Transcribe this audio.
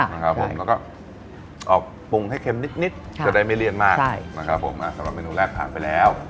แล้วก็ออกปรุงให้เค็มนิดจะได้ไม่เรียนมากสำหรับเมนูแรกทางไปแล้ว